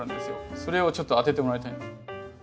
それをちょっと当ててもらいたいんです。